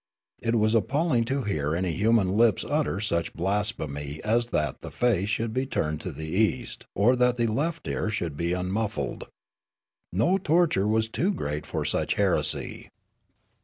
It was appalling to hear any human lips utter such blasphemy as that the face should be turned to the east or that the left ear should be unmuffled. No torture was too great for such heresy.